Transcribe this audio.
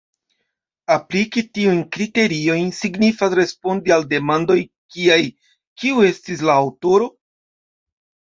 Apliki tiujn kriteriojn signifas respondi al demandoj kiaj: Kiu estis la aŭtoro?